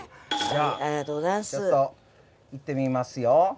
じゃあちょっと行ってみますよ。